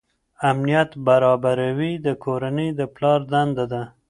امنیت برابروي د کورنۍ د پلار دنده ده.